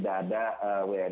tapi kita harus berhenti